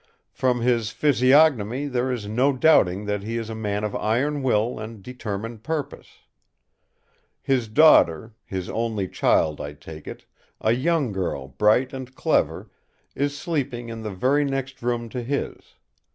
From his physiognomy there is no doubting that he is a man of iron will and determined purpose. His daughter—his only child, I take it, a young girl bright and clever—is sleeping in the very next room to his.